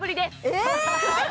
えっ